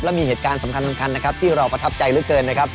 และมีเหตุการณ์สำคัญที่เราประทับใจลื้อเกิน